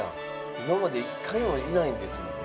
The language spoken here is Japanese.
今まで一回もいないんですもんね。